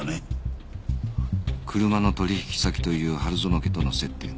車の取引先という春薗家との接点